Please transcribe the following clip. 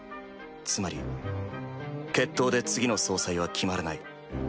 つまり決闘で次の総裁は決まらない。